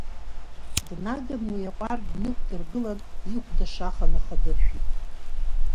Днаганы уи аҟәардә днықәдыргылан, ихәда ашаха нахадыршәит.